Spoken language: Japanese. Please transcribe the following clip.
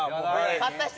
勝った人？